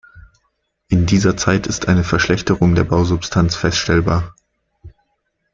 In dieser Zeit ist eine Verschlechterung der Bausubstanz feststellbar.